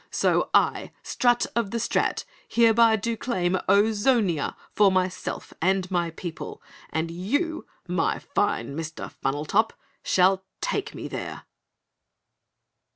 So I, Strut of the Strat, hereby do claim OZONIA for myself and my people, and you, my fine Mr. Funnel Top, shall take me there!"